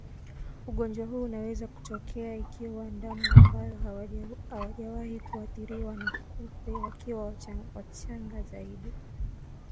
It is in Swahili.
ugonjwa huu unaweza kutokea ikiwa ndama ambao hawajawahi kuathiriwa na kupe wakiwa wachanga zaidi